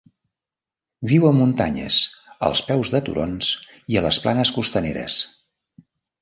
Viu a muntanyes, als peus de turons i a les planes costaneres.